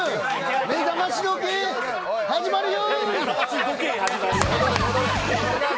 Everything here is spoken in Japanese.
めざまし時計、始まるよ。